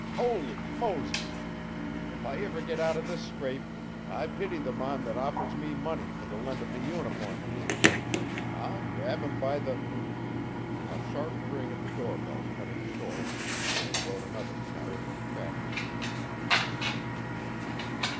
"Howly Moses! If I ever get out of this scrape I pity the mon that offers me money fer the lind o' me uniform agin. I'll grab him by the" A sharp ring at the doorbell cut him short and wrote another chapter of tragedy in his countenance.